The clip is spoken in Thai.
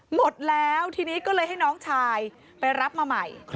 หมดแล้วทีนี้ก็เลยให้น้องชายไปรับมาใหม่